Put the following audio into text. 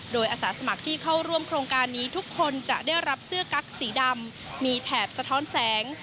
โดยอาสาสมัครที่เข้าร่วมโครงการนี้ทุกคนจะได้รับเสื้อกั๊กสีดำมีแถบสะท้อนแสง